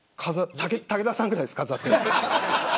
武田さんぐらいです飾ってるの。